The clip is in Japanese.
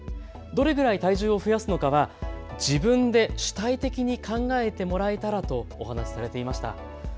どれぐらい体重を増やすのかは自分で主体的に考えてもらえたらとお話されていました。